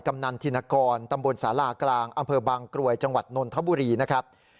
กำนันธินกรตำบลศาลากลางอำเภอบางกรวยจังหวัดนนทบุรีนะครับ